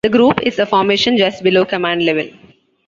The group is a formation just below command level.